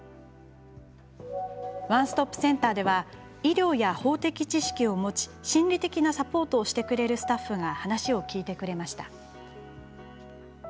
ワンストップセンターでは医療や法的知識を持ち心理的なサポートをしてくれるスタッフが話を聞いてくれました。